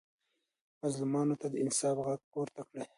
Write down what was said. مظلومانو ته د انصاف غږ پورته کړئ.